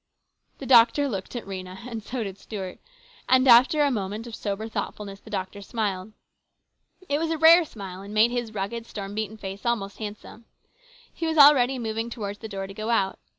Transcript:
The doctor looked at Rhena and so did Stuart, 252 and after a moment of sober thoughtfulness the doctor smiled. It was a rare smile and made his rugged, storm beaten face almost handsome. He was already moving towards the door to go out.